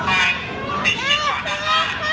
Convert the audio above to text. การประตูกรมทหารที่สิบเอ็ดเป็นภาพสดขนาดนี้นะครับ